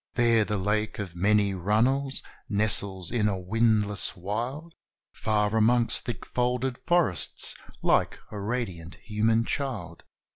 There the lake of many runnels nestles in a windless wild Far amongst thick folded forests, like a radiant human child.